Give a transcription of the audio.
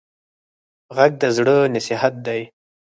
غږ د زاړه نصیحت دی